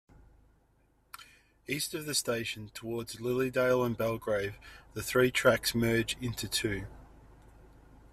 East of the station, towards Lilydale and Belgrave, the three tracks merge into two.